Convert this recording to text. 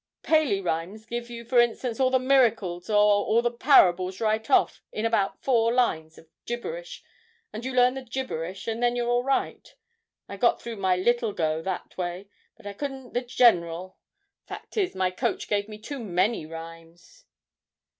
Paley rhymes give you, for instance, all the miracles or all the parables right off in about four lines of gibberish, and you learn the gibberish and then you're all right. I got through my Little go that way, but I couldn't the General. Fact is, my coach gave me too many rhymes!'